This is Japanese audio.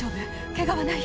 ケガはない？